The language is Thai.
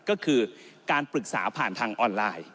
ก็คือการปรึกษาผ่านทางออนไลน์